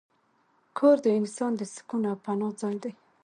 کور د انسان د سکون او پناه ځای دی.